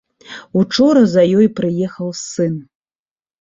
Учора за ёй прыехаў сын.